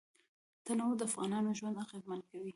تنوع د افغانانو ژوند اغېزمن کوي.